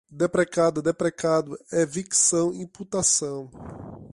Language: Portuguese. deprecada, deprecado, evicção, imputação